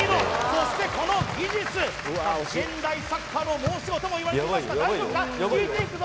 そしてこの技術現代サッカーの申し子ともいわれていますが大丈夫か！？